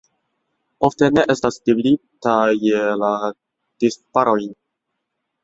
Ofte ne estas dividita je la disbarojn.